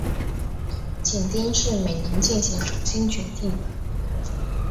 紧盯是每年进行重新确定的。